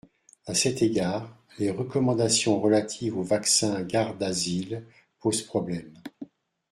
À cet égard, les recommandations relatives au vaccin Gardasil posent problème.